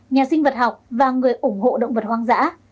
nhà sinh vật học và người ủng hộ động vật hoang dã